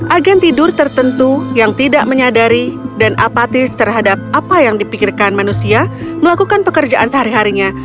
agen tidur tertentu yang tidak menyadari dan apatis terhadap apa yang dipikirkan manusia melakukan pekerjaan sehari harinya